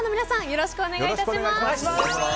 よろしくお願いします。